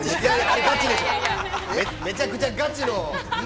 ◆めちゃくちゃガチの。